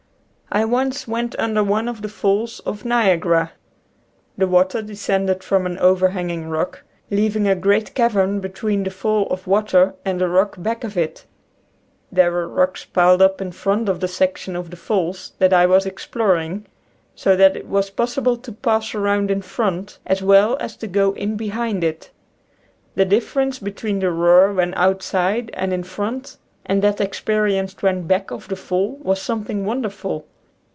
I once went under one of the falls of Niagara. The water descended from an over hanging rock, leaving a great cavern between the fall of water and the rock back of it. There were rocks piled up in front of the section of the falls that I was exploring, so that it was possible to pass around in front, as well as to go in behind it. The difference between the roar when outside and in front and that experienced when back of the fall was something wonderful.